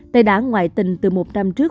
t đã ngoại tình từ một năm trước